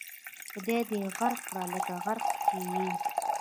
خدای دې غرق کړه لکه غرق چې یې.